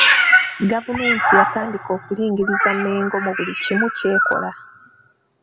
Gavumenti yatandika okulingiriza Mengo mu buli kimu ky'ekola